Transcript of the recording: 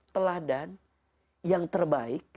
teladan yang terbaik